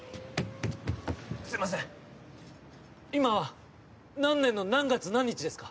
すいません、今は何年の何月何日ですか？